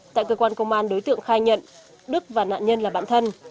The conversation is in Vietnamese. tại cơ quan công an đối tượng khai nhận đức và nạn nhân là bạn thân